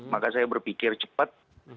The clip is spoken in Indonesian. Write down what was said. maka saya berpikir cepat